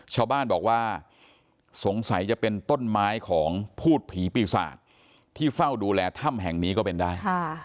ชาวบ้านบอกว่าสงสัยจะเป็นต้นไม้ของพูดผีปีศาจที่เฝ้าดูแลถ้ำแห่งนี้ก็เป็นได้